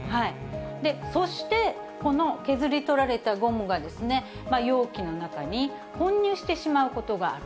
そしてこの削り取られたゴムが、容器の中に混入してしまうことがある。